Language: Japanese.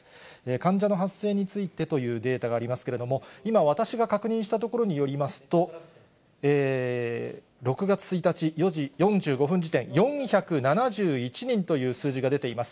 患者の発生についてというデータがありますけれども、今、私が確認したところによりますと、６月１日４時４５分時点、４７１人という数字が出ています。